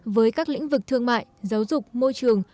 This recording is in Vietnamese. với các lĩnh vực thương mại giáo dục môi trường